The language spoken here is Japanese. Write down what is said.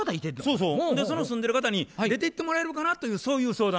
その住んでる方に出てってもらえるかなというそういう相談。